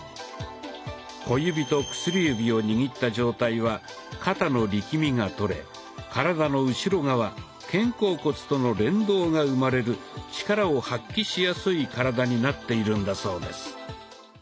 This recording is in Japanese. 小指と薬指を握った状態は肩の力みがとれ体の後ろ側・肩甲骨との連動が生まれる力を発揮しやすい体になっているんだそうです。